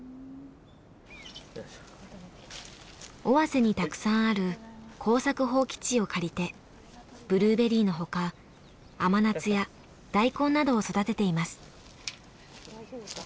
尾鷲にたくさんある耕作放棄地を借りてブルーベリーのほか甘夏や大根などを育てています。